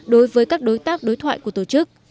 đối với các đối tác đối thoại của tổ chức